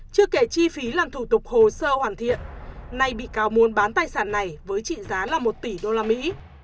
chưa kể chi phí làm thủ tục hồ sơ hoàn thiện nay bị cáo muốn bán tài sản này với trị giá là một tỷ đô la mỹ